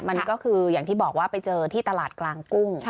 มันก็คืออย่างที่บอกว่าไปเจอที่ตลาดกลางกุ้ง